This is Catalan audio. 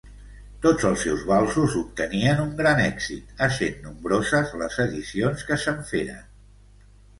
Tots els seus valsos obtenien un gran èxit, essent nombroses les edicions que se'n feren.